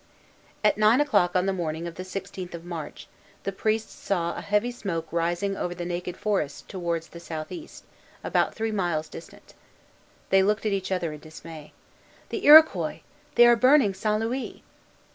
At nine o'clock on the morning of the sixteenth of March, the priests saw a heavy smoke rising over the naked forest towards the south east, about three miles distant. They looked at each other in dismay. "The Iroquois! They are burning St. Louis!"